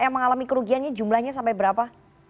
yang mengalami kerugiannya jumlahnya sampai berapa